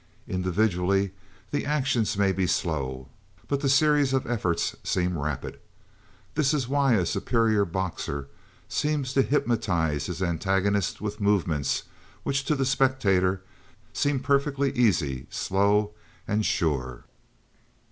Individually the actions may be slow; but the series of efforts seem rapid. That is why a superior boxer seems to hypnotize his antagonist with movements which to the spectator seem perfectly easy, slow, and sure.